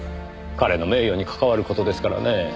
彼の名誉に関わる事ですからね